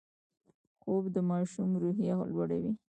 خوب د ماشوم روحیه لوړوي